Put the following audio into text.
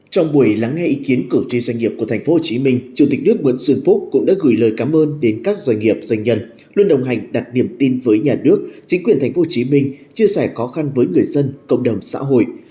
trong buổi lắng nghe ý kiến cử tri doanh nghiệp của tp hcm chủ tịch nước nguyễn xuân phúc cũng đã gửi lời cảm ơn đến các doanh nghiệp doanh nhân luôn đồng hành đặt niềm tin với nhà nước chính quyền tp hcm chia sẻ khó khăn với người dân cộng đồng xã hội